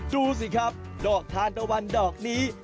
ดูสิครับดอกทานตะวันดอกนี้